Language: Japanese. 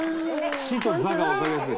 「シ」と「ザ」がわかりやすい。